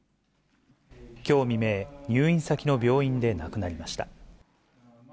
きょう未明、入院先の病院で亡くなりました。